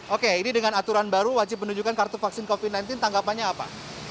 oke ini dengan aturan baru wajib menunjukkan kartu vaksin covid sembilan belas tanggapannya apa